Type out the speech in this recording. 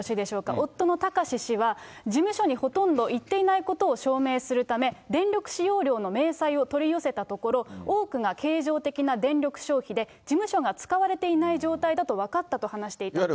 夫の貴志氏は、事務所にほとんど行っていないことを証明するため、電力使用量の明細を取り寄せたところ、多くが経常的な電力消費で、事務所が使われていない状態だと分かったと話していたんですね。